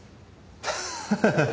ハハハハ。